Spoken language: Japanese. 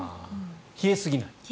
冷えすぎない。